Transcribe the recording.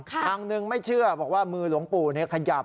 ทางหนึ่งไม่เชื่อบอกว่ามือหลวงปู่ขยับ